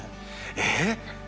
えっ？